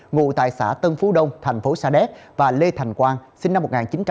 ngụ tại xã tân phú đông thành phố sa đéc và lê thành quang sinh năm một nghìn chín trăm tám mươi